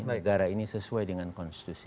negara ini sesuai dengan konstitusi